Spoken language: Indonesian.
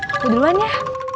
aku duluan ya